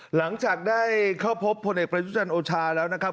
หลังจากได้เข้าพบพลเอกประยุจันทร์โอชาแล้วนะครับ